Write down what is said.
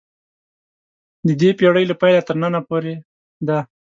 د دې پېړۍ له پیله تر ننه پورې ده.